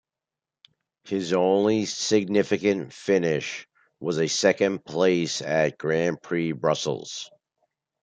His only significant finish was a second place at Grand Prix Brussels.